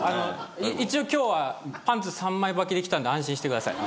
一応今日はパンツ３枚ばきで来たんで安心してください。